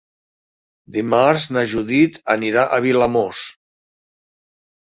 Dimarts na Judit anirà a Vilamòs.